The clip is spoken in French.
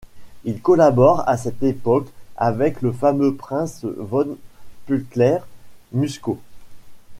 Il collabore à cette époque avec le fameux prince von Pückler-Muskau.